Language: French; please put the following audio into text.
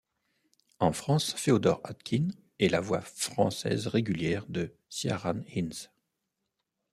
En France, Féodor Atkine est la voix française régulière de Ciarán Hinds.